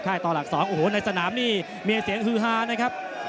ต่อหลัก๒โอ้โหในสนามนี่มีเสียงฮือฮานะครับ